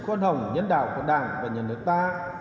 khoan hồng nhân đạo của đảng và nhân lực ta